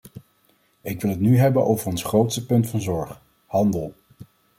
Ik wil het nu hebben over ons grootste punt van zorg: handel.